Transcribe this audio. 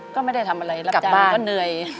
ก็ไม่ได้ทำอะไรรับจ้างก็เหนื่อย